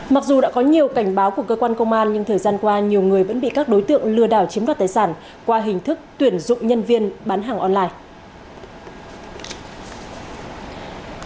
mặc dù đã có nhiều cảnh báo của cơ quan công an nhưng thời gian qua nhiều người vẫn bị các đối tượng lừa đảo chiếm đoạt tài sản qua hình thức tuyển dụng nhân viên bán hàng online